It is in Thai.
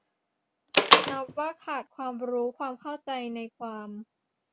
นับว่าขาดความรู้ความเขัาใจในความ